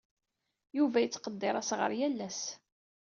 Yuba yettqeddir asɣar yal ass.